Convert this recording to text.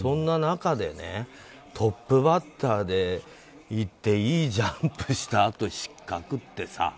そんな中でトップバッターでいっていいジャンプをしたあと失格ってさ。